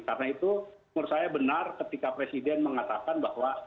karena itu menurut saya benar ketika presiden mengatakan bahwa